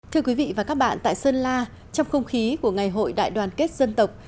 thưa quý vị và các bạn tại sơn la trong không khí của ngày hội đại đoàn kết dân tộc